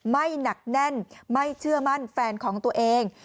ไม่หนักแน่นไม่เชื่อมั่นแฟนของตัวเอง